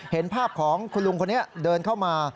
เห็นภาพของคุณลุงคนนี้เดินเข้ามา